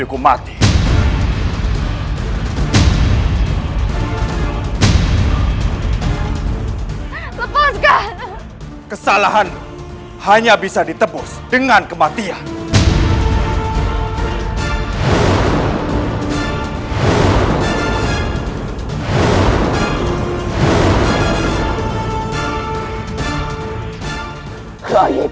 aku tidak boleh berhasil sama dengan pak laguna